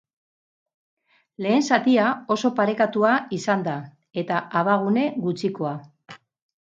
Lehen zatia oso parekatua izan da, eta abagune gutxikoa.